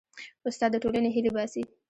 استاد د ټولنې هیلې باسي.